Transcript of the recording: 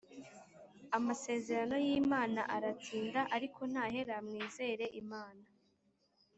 Amasezerano y’imana aratinda ariko ntahera mwizere imana